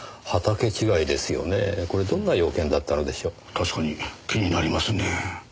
確かに気になりますね。